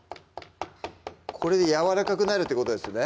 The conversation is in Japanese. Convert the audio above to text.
これでやわらかくなるってことですね